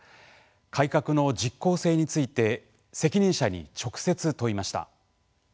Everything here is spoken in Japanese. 改革の実行性について責任者に直接、問いました。